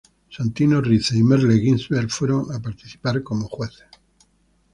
Santino Rice y Merle Ginsberg fueron a participar como jueces.